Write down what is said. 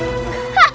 aku puas sekali